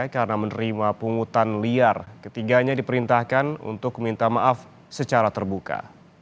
karena menerima pungutan liar ketiganya diperintahkan untuk meminta maaf secara terbuka